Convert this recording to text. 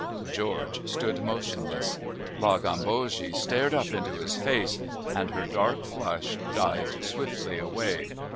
George stood motionless. La Gambogi stared up into his face, and her dark flush died swiftly away.